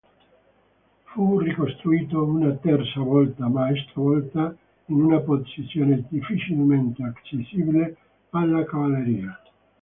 Fu ricostruito una terza volta, ma stavolta in una posizione difficilmente accessibile alla cavalleria.